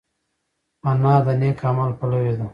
انا د نېک عمل پلوي ده